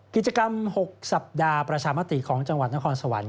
กิจกรรม๖สัปดาห์ประชามติของจังหวัดนครสวรรค